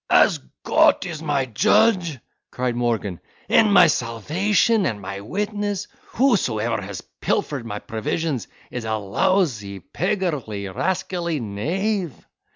"As Cot is my judge," cried Morgan, "and my salfation, and my witness; whosoever has pilfered my provisions is a lousy, peggarly, rascally knave!